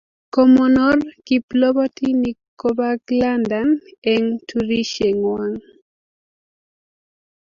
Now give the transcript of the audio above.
komonor kipllobotinik kobak Londan eng turishe ngwang.